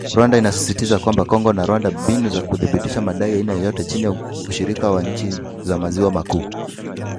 Rwanda inasisitizwa kwamba “Kongo na Rwanda zina mbinu za kuthibitisha madai ya aina yoyote chini ya ushirika wa nchi za maziwa makuu